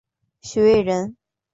徐渭人。